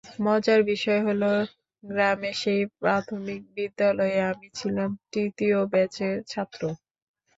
মজার বিষয় হলো গ্রামে সেই প্রাথমিক বিদ্যালয়ে আমি ছিলাম তৃতীয় ব্যাচের ছাত্র।